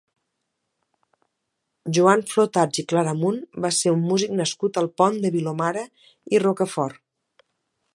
Joan Flotats i Claramunt va ser un músic nascut al Pont de Vilomara i Rocafort.